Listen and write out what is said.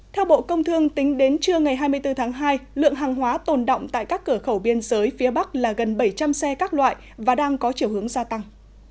theo bộ công thương tính đến trưa ngày hai mươi bốn tháng hai lượng hàng hóa tồn động tại các cửa khẩu biên giới phía bắc là gần bảy trăm linh xe các loại và đang có chiều hướng gia tăng